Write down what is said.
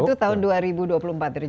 itu tahun dua ribu dua puluh empat ya